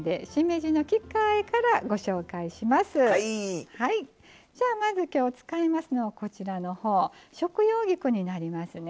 じゃあ、まず使いますのがこちらの食用菊になりますね。